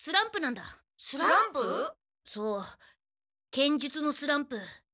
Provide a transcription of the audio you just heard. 剣術のスランプ。